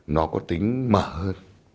nó có tính mở hơn